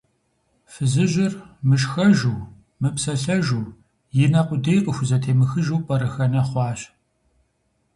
Фызыжьыр мышхэжу, мыпсэлъэжу, и нэ къудей къыхузэтемыхыжу пӀэрыхэнэ хъуащ.